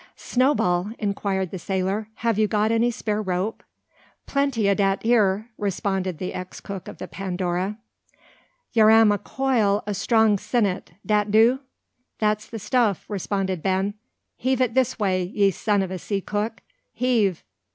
"Snowball!" inquired the sailor, "have you got any spare rope?" "Plenty o' dat 'ere," responded the ex cook of the Pandora. "Yar am a coil o' strong sinnet. Dat do?" "That's the stuff," responded Ben. "Heave it this way, ye son of a sea cook! Heave!"